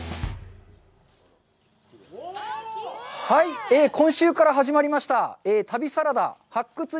はい、今週から始まりました旅サラダ「発掘！